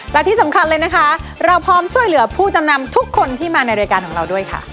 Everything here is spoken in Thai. และที่สำคัญเลยนะคะเราพร้อมช่วยเหลือผู้จำนำทุกคนที่มาในรายการของเราด้วยค่ะ